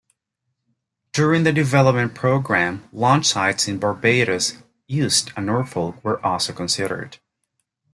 During the development programme, launch sites in Barbados, Uist and Norfolk were also considered.